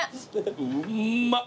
うんまっ！